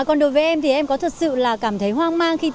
còn đối với em thì em có thật sự là cảm thấy hoang mang khi